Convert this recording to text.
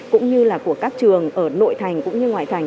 cũng như là của các trường ở nội thành cũng như ngoài thành